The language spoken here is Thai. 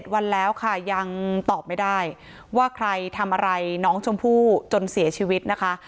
วันแล้วค่ะยังตอบไม่ได้ว่าใครทำอะไรน้องชมพู่จนเสียชีวิตนะคะ